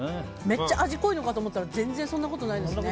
めっちゃ味濃いのかと思ったら全然そんなことないですね。